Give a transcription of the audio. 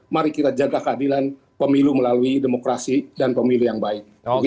mari kita jaga keadilan pemilu melalui demokrasi dan pemilu yang baik